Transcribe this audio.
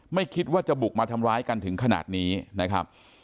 ไม่คิดว่าจะบุกมาทำร้ายกันถึงขนาดนี้นะครับ